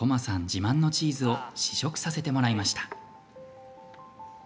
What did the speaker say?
自慢のチーズを試食させてもらいました。